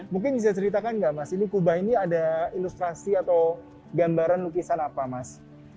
mungkin bisa ceritakan nggak mas ini kubah ini ada ilustrasi atau gambaran lukisan apa mas